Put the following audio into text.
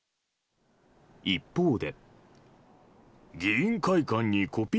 一方で。